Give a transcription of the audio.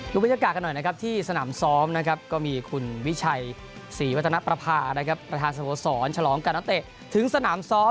บรรยากาศกันหน่อยนะครับที่สนามซ้อมนะครับก็มีคุณวิชัยศรีวัฒนประพานะครับประธานสโมสรฉลองกับนักเตะถึงสนามซ้อม